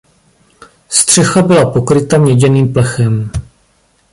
Střecha byla pokryta měděným plechem.